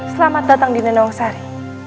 selamat datang di nenong sari